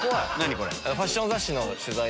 これ。